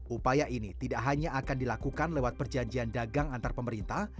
upaya ini tidak hanya akan dilakukan lewat perjanjian dagang antar pemerintah